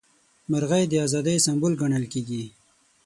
مرغۍ د ازادۍ سمبول ګڼل کیږي.